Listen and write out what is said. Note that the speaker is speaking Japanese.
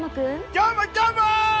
どーも、どーも！